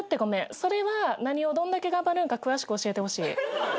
それは何をどんだけ頑張るんか詳しく教えてほしい。